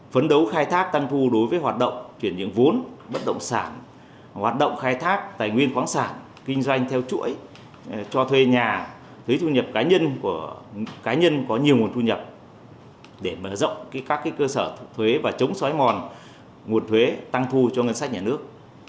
phấn đấu khai thác tăng thu đối với hoạt động chuyển nhiệm vốn bất động sản hoạt động khai thác tài nguyên khoáng sản kinh doanh theo chuỗi cho thuê nhà thuế thu nhập cá nhân của cá nhân có nhiều nguồn thu nhập để mở rộng các cơ sở thuế và chống xói mòn nguồn thuế tăng thu cho ngân sách nhà nước